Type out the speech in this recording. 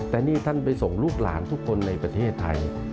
แต่นี่ท่านไปส่งลูกหลานทุกคนในประเทศไทย